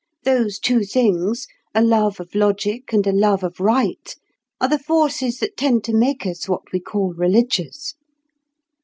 Those two things—a love of logic, and a love of right—are the forces that tend to make us what we call religious.